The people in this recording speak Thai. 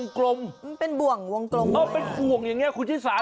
คืออะไรอะ